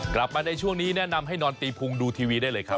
กลับมาในช่วงนี้แนะนำให้นอนตีพุงดูทีวีได้เลยครับ